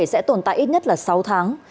sẽ tồn tại ít nhất sáu tháng